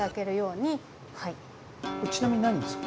ちなみに何ですか？